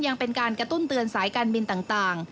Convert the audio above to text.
ยังเป็นการกระตุ้นเตือนสายการบินต่าง